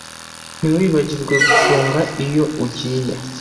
Ntiwibagirwe gufunga iyo ugiye